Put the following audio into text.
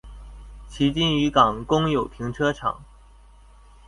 旗津漁港公有停車場